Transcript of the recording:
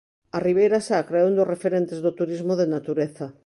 A Ribeira Sacra é un dos referentes do turismo de natureza.